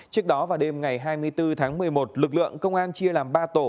trước đó vào đêm ngày hai mươi bốn tháng một mươi một lực lượng công an chia làm ba tổ